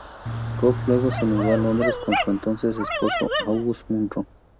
Goff luego se mudó a Londres con su entonces esposo, Angus Munro.